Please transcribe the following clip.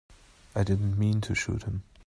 I didn't mean to shoot him.